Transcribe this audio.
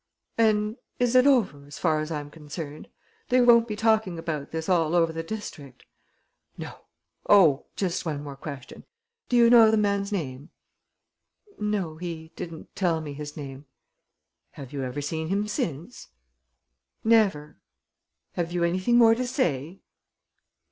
"And is it over, as far as I'm concerned? They won't be talking about this all over the district?" "No. Oh, just one more question: do you know the man's name?" "No. He didn't tell me his name." "Have you ever seen him since?" "Never." "Have you anything more to say?"